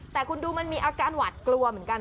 แต่คุณดูมันมีอาการหวัดกลัวเหมือนกัน